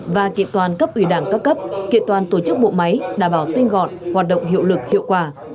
và kiện toàn cấp ủy đảng các cấp kiện toàn tổ chức bộ máy đảm bảo tinh gọn hoạt động hiệu lực hiệu quả